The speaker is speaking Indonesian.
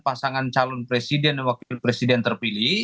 pemilihan pemilu presiden dan wakil presiden terpilih